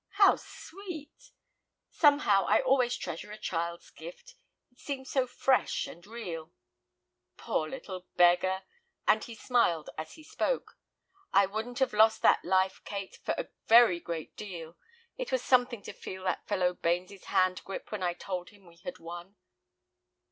"How sweet! Somehow I always treasure a child's gift; it seems so fresh and real." "Poor little beggar," and he smiled as he spoke. "I wouldn't have lost that life, Kate, for a very great deal. It was something to feel that fellow Bains's hand grip when I told him we had won."